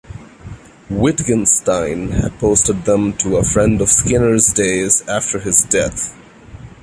Wittgenstein had posted them to a friend of Skinner's days after his death.